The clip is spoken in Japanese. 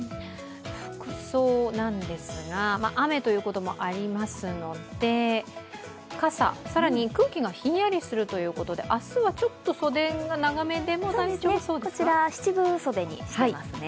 服装なんですが、雨ということもありますので傘、更に空気がひんやりするということで明日はちょっと袖が長めでも大丈夫そうですか。